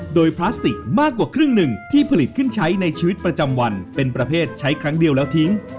โดยพลาสติกมากกว่าครึ่งหนึ่งที่ผลิตขึ้นใช้ในชีวิตประจำวันเป็นประเภทใช้ครั้งเดียวแล้วทิ้ง